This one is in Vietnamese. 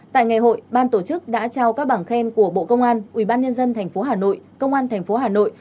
tại ngày hội ban tổ chức đã trao các bảng khen của bộ công an ubnd tp hà nội công an tp hà nội